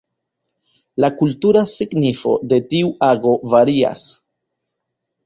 La kultura signifo de tiu ago varias.